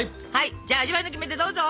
じゃあ味わいのキメテどうぞ。